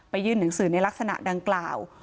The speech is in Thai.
ยื่นหนังสือในลักษณะดังกล่าว